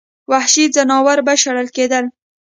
وحشي ځناور به شړل کېدل.